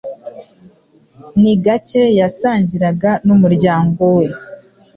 Ni gake yasangiraga n'umuryango we.